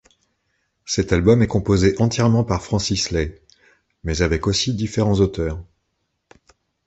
Cet album est composé entièrement par Francis Lai mais avec aussi différents auteurs.